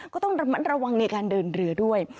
ก็ต้องระมัดระวังในการเดินเรือด้วย